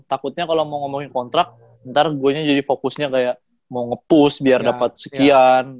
takutnya kalau mau ngomongin kontrak ntar gue nya jadi fokusnya kayak mau nge push biar dapat sekian